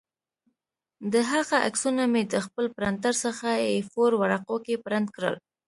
د هغه عکسونه مې د خپل پرنټر څخه اې فور ورقو کې پرنټ کړل